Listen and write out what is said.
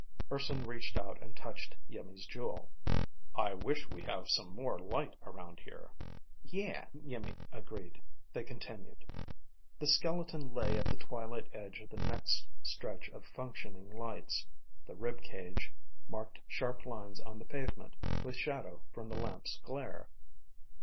Urson reached out and touched Iimmi's jewel. "I wish we have some more light around here." "Yeah," Iimmi agreed. They continued. The skeleton lay at the twilight edge of the next stretch of functioning lights. The rib cage marked sharp lines on the pavement with shadow from the lamps' glare.